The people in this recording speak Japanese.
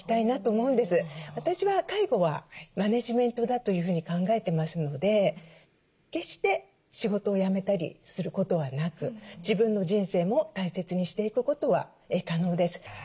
私は介護はマネジメントだというふうに考えてますので決して仕事を辞めたりすることはなく自分の人生も大切にしていくことは可能です。